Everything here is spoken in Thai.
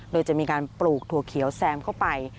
โดยจะมีการปลูกถั่วเขียวแซมเข้าไป